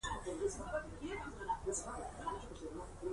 دَ تاريخي ترتيب سره وړاند ې کولے شي